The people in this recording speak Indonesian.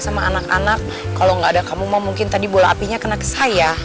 sama anak anak kalau nggak ada kamu mah mungkin tadi bola apinya kena ke saya